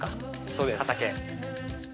◆そうです。